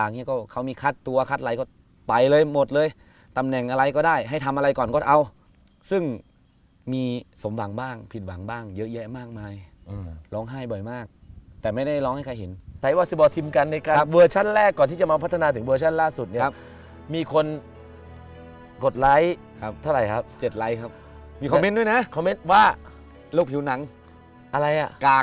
แหน่งอะไรก็ได้ให้ทำอะไรก่อนก็เอาซึ่งมีสมบังบ้างผิดหวังบ้างเยอะแยะมากมายอืมร้องไห้บ่อยมากแต่ไม่ได้ร้องให้ใครเห็นสายวสิบอลทีมกันในการเวอร์ชันแรกก่อนที่จะมาพัฒนาถึงเวอร์ชันล่าสุดเนี่ยครับมีคนกดไลค์ครับเท่าไหร่ครับเจ็ดไลค์ครับมีคอมเมนต์ด้วยนะคอมเมนต์ว่าโรคผิวหนังอะไรอ่